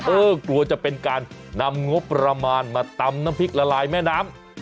กลัวจะเป็นการนำงบประมาณมาตำน้ำพริกละลายแม่น้ำ